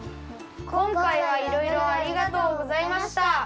こんかいはいろいろありがとうございました。